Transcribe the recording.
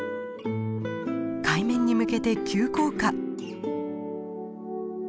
海面に向けて急降下。